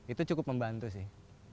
itu cukup membantu sih